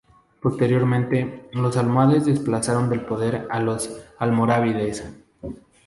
Posteriormente los almohades desplazaron del poder a los almorávides.